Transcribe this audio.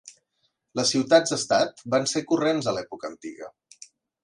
Les ciutats estat van ser corrents a l'època Antiga.